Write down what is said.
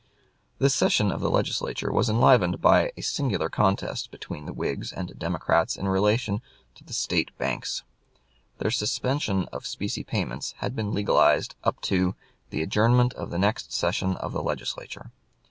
This session of the Legislature was enlivened by a singular contest between the Whigs and Democrats in relation to the State banks. Their suspension of specie payments had been legalized up to "the adjournment of the next session of the Legislature."